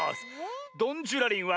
「ドンじゅらりん」は。